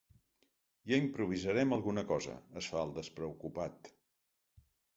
Ja improvisarem alguna cosa —es fa el despreocupat—.